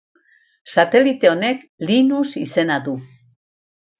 Satelite honek, Linus izena du.